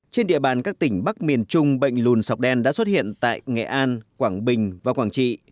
trên địa bàn các tỉnh bắc miền trung bệnh lùn sọc đen đã xuất hiện tại nghệ an quảng bình và quảng trị